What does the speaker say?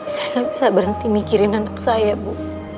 saya bisa berhenti mikirin anak saya bu